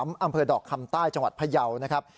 อำเภอดอกคำใต้จังหวัดพยาวนะครับ